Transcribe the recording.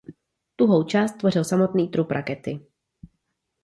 Tuhou část tvořil samotný trup rakety.